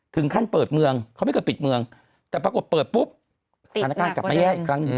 ถึงขั้นเปิดเมืองเขาไม่เคยปิดเมืองแต่ปรากฏเปิดปุ๊บสถานการณ์กลับมาแย่อีกครั้งหนึ่ง